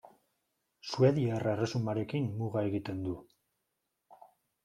Suediar Erresumarekin muga egiten du.